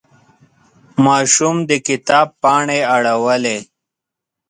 ماشوم د کتاب پاڼې اړولې.